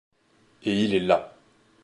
Et il est là.